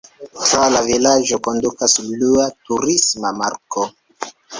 Tra la vilaĝo kondukas blua turisma marko.